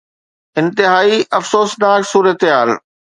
انتهائي افسوسناڪ صورتحال